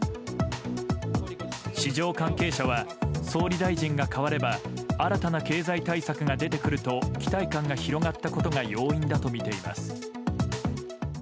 市場関係者は、総理大臣が代われば、新たな経済対策が出てくると期待感が広がったことが要因だと見ています。